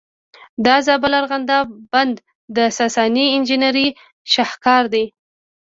د زابل ارغنداب بند د ساساني انجینرۍ شاهکار دی